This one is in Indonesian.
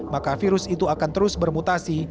maka virus itu akan terus bermutasi